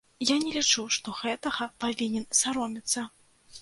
Я не лічу, што гэтага павінен саромецца.